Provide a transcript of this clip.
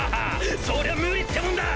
そりゃ無理ってもんだ！